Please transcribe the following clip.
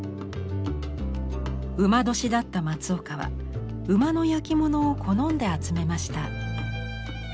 午年だった松岡は馬の焼き物を好んで集めました。